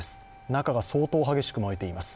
中が相当激しく燃えています。